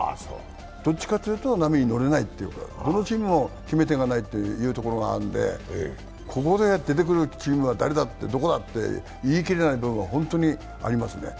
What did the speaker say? どっちかというと波に乗れないというかどのチームも決め手がないというところなのでここで出てくるチームはどこだって言い切れない部分はありますね。